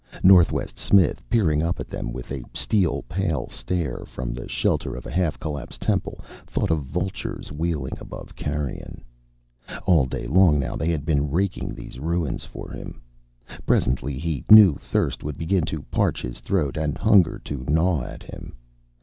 Northwest Smith, peering up at them with a steel pale stare from the shelter of a half collapsed temple, thought of vultures wheeling above carrion. All day long now they had been raking these ruins for him. Presently, he knew, thirst would begin to parch his throat and hunger to gnaw at him.